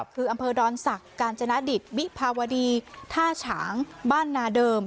คืออำเภอดอนศักดิ์กาญจนดิตวิภาวดีท่าฉางบ้านนาเดิม